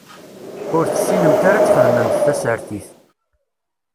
Ur tessinemt ara ad txedmemt tasertit.